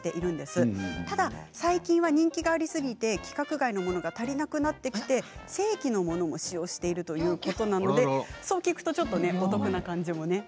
ただ最近は人気がありすぎて規格外のものが足りなくなってきて正規のものも使用しているということなのでそう聞くとちょっとお得な感じもしますね。